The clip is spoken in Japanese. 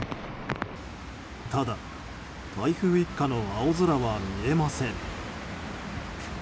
ただ、台風一過の青空は見えません。